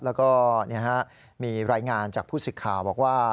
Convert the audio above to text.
แล้วก็มีรายงานจากผู้สึกข่าวว่า